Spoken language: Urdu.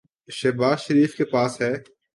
شہباز شریف کے پاس ہے۔